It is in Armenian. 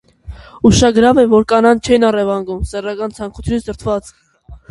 Ուշագրավ է, որ կանանց չէին առևանգում՝ սեռական ցանկությունից դրդված։